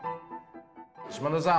嶋田さん